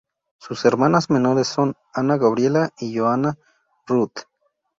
Sus hermanas menores son Ana Gabriela y Johanna Ruth.